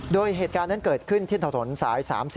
โดยเหตุการณ์นั้นเกิดขึ้นที่ถนนสาย๓๐